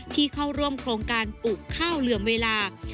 ที่เข้าร่วมโครงการปลูกข้าวเหลื่อมเวลา